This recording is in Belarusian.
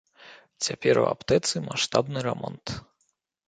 Цяпер у аптэцы маштабны рамонт.